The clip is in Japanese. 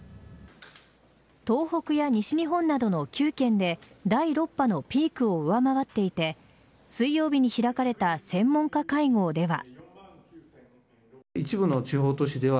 東北や西日本などの９県で第６波のピークを上回っていて水曜日に開かれた専門家会合では。